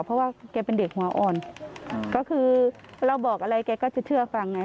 เพราะว่าแกเป็นเด็กหัวอ่อนก็คือเราบอกอะไรแกก็จะเชื่อฟังไง